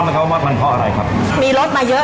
เดี๋ยวเขาก็จะไม่มากินอีกเลย